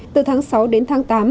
từ tháng sáu đến tháng tám